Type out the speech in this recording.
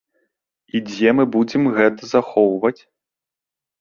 І дзе мы будзем гэта захоўваць?